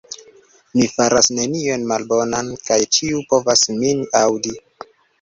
Mi faras nenion malbonan, kaj ĉiu povas min aŭdi.